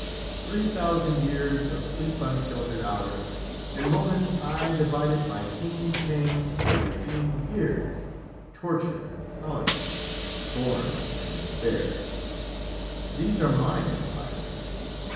"Three thousand years of sleep unsheltered hours, And moments aye divided by keen pangs Till they seemed years, torture and solitude, Scorn and despair, these are mine empire.